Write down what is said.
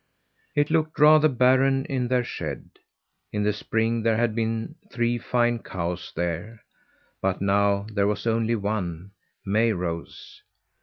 It looked rather barren in their shed. In the spring there had been three fine cows there, but now there was only one Mayrose.